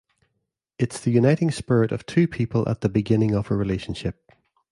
It's the uniting spirit of two people at the beginning of a relationship.